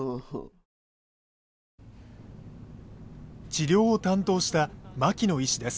治療を担当した牧野医師です。